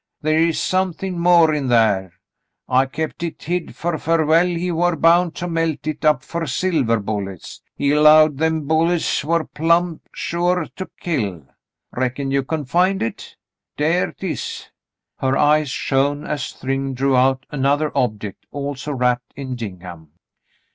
The' is somethin' more in thar. I kept hit hid, fer Farwell, he war bound to melt hit up fer silver bullets. He 'lowed them bullets war plumb sure to kill. Reckon you can find hit ? Thar 'tis." Her eyes shone as Thryng drew out another object also wrapped in gingham.